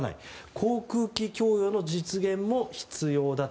航空機供与の実現も必要だと。